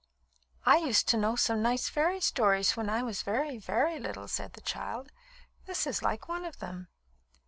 "I used to know some nice fairy stories when I was very, very little," said the child. "This is like one of them."